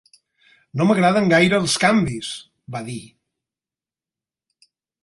"No m'agraden gaire els canvis", va dir.